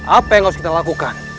apa yang harus kita lakukan